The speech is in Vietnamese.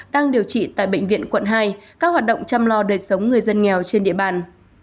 đang điều trị tại bệnh viện quận hai các hoạt động chăm lo đời sống người dân nghèo trên địa bàn